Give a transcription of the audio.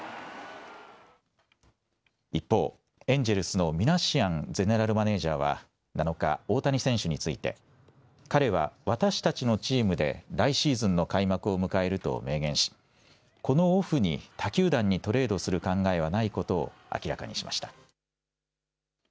一方、エンジェルスのミナシアンゼネラルマネージャーは７日、大谷選手について、彼は私たちのチームで、来シーズンの開幕を迎えると明言し、このオフに他球団にトレードする考えはないことを明らかにしまし